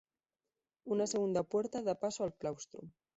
Una segunda puerta da paso al claustro.